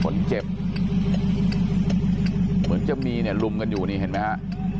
มีเหมือนจะมีรุมกันอยู่เห็นไหมฮะ